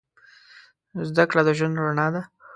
زده کړه د ژوند رڼا ده.